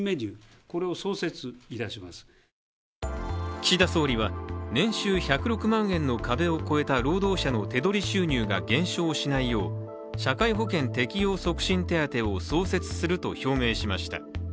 岸田総理は年収１０６万円の壁を超えた労働者の手取り収入が減少しないよう社会保険適用促進手当を創設すると表明しました。